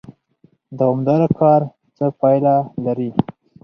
دوامدار کار څه پایله لري؟